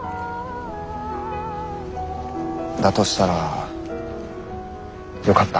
だとしたらよかった。